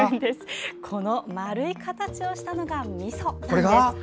この丸い形をしたのがみそなんです。